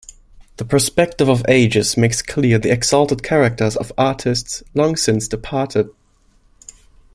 The perspective of ages makes clear the exalted characters of artists long since departed.